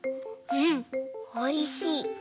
うんおいしい。